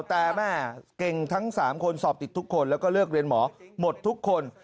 แต่แม่เก่งทั้ง๓คนสอบติดทุกคนแล้วก็เลือกเรียนหมอหมดทุกคน